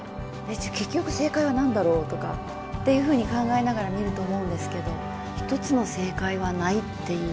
じゃ結局正解は何だろうとかっていうふうに考えながら見ると思うんですけど１つの正解はないっていう。